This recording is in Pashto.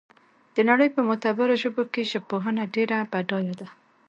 د نړۍ په معتبرو ژبو کې ژبپوهنه ډېره بډایه ده